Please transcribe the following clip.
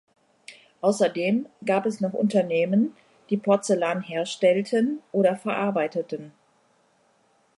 Außerdem gab es noch Unternehmen, die Porzellan herstellten oder verarbeiteten.